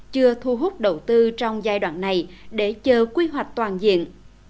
chưa thu hút đầu tư trong giai đoạn này để chờ quy hoạch toàn diện